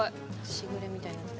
しぐれみたいになって。